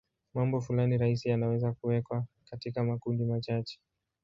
Maumbo fulani rahisi yanaweza kuwekwa katika makundi machache.